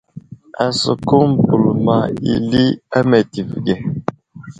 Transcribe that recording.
Asəkum bəlma i ali a meltivi age.